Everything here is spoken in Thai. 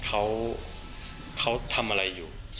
เขาทำอะไรอยู่